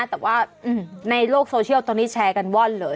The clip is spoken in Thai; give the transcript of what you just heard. แต่ว่าในโลกโซเชียลตอนนี้แชร์กันว่อนเลย